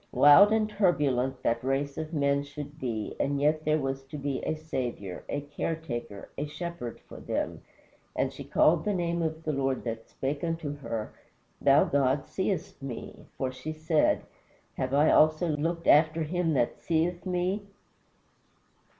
Wild and turbulent that race of men should be; and yet there was to be a Saviour, a Care taker, a Shepherd for them. "And she called the name of the Lord that spake unto her, Thou God seest me; for she said, Have I also here looked after him that seeth me?"